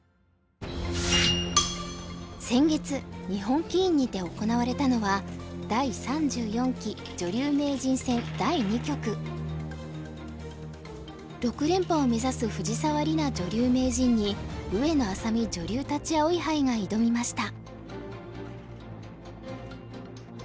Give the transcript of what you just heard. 先月日本棋院にて行われたのは６連覇を目指す藤沢里菜女流名人に上野愛咲美女流立葵杯が挑みました。